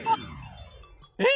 えっ？